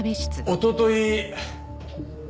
おととい